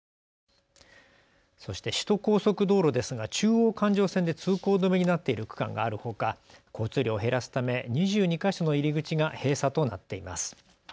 そして首都高速道路ですが中央環状線で通行止めになっている区間があるほか交通量を減らすため２２か所の入り口が閉鎖となっています。